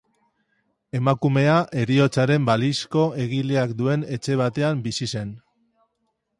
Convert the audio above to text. Emakumea heriotzaren balizko egileak duen etxe batean bizi zen.